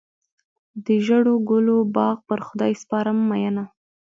د ژړو ګلو باغ پر خدای سپارم مینه.